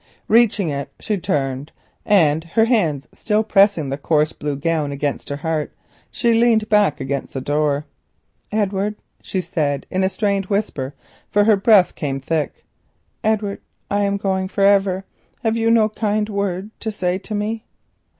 Reaching it she turned, and her hands still pressing the coarse blue gown against her heart, she leaned against the door. "Edward," she said, in a strained whisper, for her breath came thick, "Edward—I am going for ever—have you no kind word—to say to me?"